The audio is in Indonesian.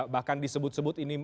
bahkan disebut sebut ini